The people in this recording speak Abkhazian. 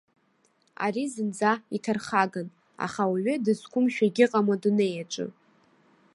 Ари зынӡа иҭархаган, аха ауаҩы дызқәымшәо егьыҟам адунеи аҿы.